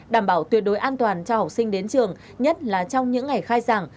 đảm bảo tuyệt đối an toàn cho học sinh đến trường nhất là trong những ngày khai giảng